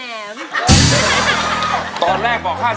แต่ว่าคุณน้องเสร็จไปต่อห่อแหนม